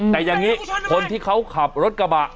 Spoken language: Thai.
แต่อย่างนี้คนที่เขาขับรถกระบะ